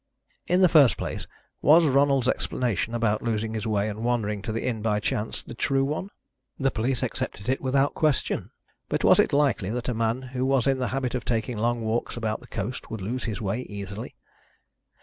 In the first place, was Ronald's explanation, about losing his way and wandering to the inn by chance, the true one? The police accepted it without question, but was it likely that a man who was in the habit of taking long walks about the coast would lose his way easily?